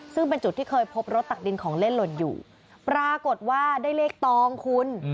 ซึ่งเป็นจุดที่เคยพบรถตักดินของเล่นหล่นอยู่ปรากฏว่าได้เลขตองคุณ